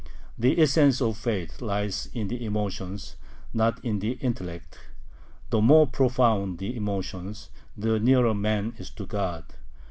The essence of faith lies in the emotions, not in the intellect; the more profound the emotions, the nearer man is to God.